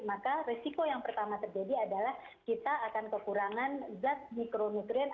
maka risiko yang pertama terjadi adalah kita akan kekurangan zat mikronutrien